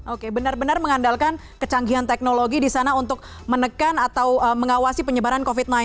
oke benar benar mengandalkan kecanggihan teknologi di sana untuk menekan atau mengawasi penyebaran covid sembilan belas